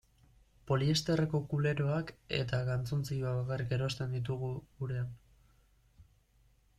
Poliesterreko kuleroak eta galtzontziloak bakarrik erosten ditugu gurean.